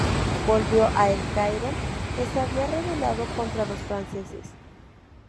Volvió a El Cairo, que se había rebelado contra los franceses.